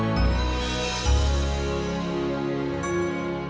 jangan lupa like subscribe dan share ya